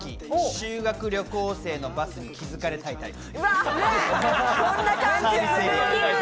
修学旅行生のバスに気づかれたいタイプ。